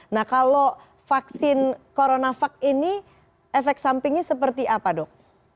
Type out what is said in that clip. nah kalau vaksin coronavac ini efek sampingnya seperti apa dok